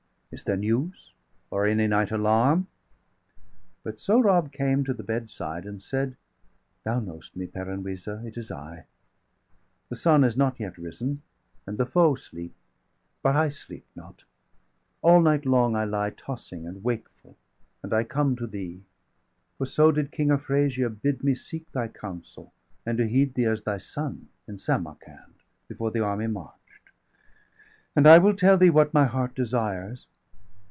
is there news, or any night alarm?" But Sohrab came to the bedside, and said: "Thou know'st me, Peran Wisa! it is I. The sun is not yet risen, and the foe 35 Sleep; but I sleep not; all night long I lie Tossing and wakeful, and I come to thee. For so did King Afrasiab° bid me seek °38 Thy counsel, and to heed thee as thy son, In Samarcand,° before the army march'd; °40 And I will tell thee what my heart desires.